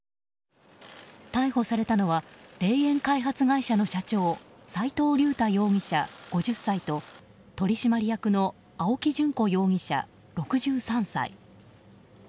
逮捕されたのは霊園開発会社の社長斎藤竜太容疑者、５０歳と取締役の青木淳子容疑者、６３歳。